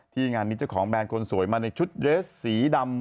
งานนี้เจ้าของแบรนด์คนสวยมาในชุดเรสสีดำ